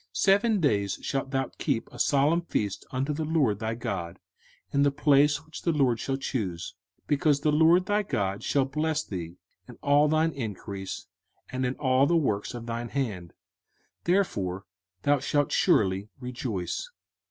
05:016:015 Seven days shalt thou keep a solemn feast unto the LORD thy God in the place which the LORD shall choose: because the LORD thy God shall bless thee in all thine increase, and in all the works of thine hands, therefore thou shalt surely rejoice.